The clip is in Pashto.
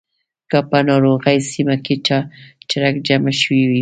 که په ناروغۍ سیمه کې چرک جمع شوی وي.